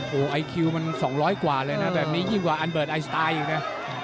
โอ้โหไอคิวมัน๒๐๐กว่าเลยนะแบบนี้ยิ่งกว่าอันเบิร์ตไอสไตล์อีกนะ